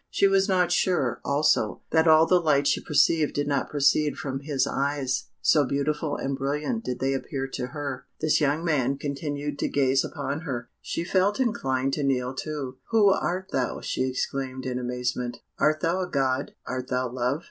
She was not sure, also, that all the light she perceived did not proceed from his eyes, so beautiful and brilliant did they appear to her. This young man continued to gaze upon her, still kneeling. She felt inclined to kneel too. "Who art thou?" she exclaimed, in amazement. "Art thou a God? Art thou Love?"